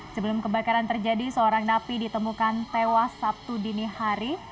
sebelum kebakaran terjadi seorang napi ditemukan tewas sabtu dini hari